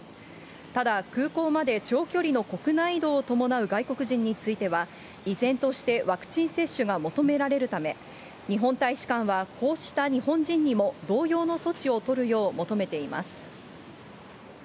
ただ、空港まで長距離の国内移動を伴う外国人については、依然としてワクチン接種が求められるため、日本大使館はこうした日本人にも同様の措置を取るよう求めています。